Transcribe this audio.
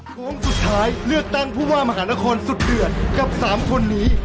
โค้งสุดท้ายเลือกตั้งผู้ว่ามหานครสุดเดือดกับ๓คนนี้